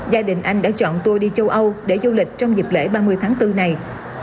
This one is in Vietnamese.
gia đình anh đã chọn tour đi châu âu để du lịch trong dịp lễ ba mươi tháng bốn này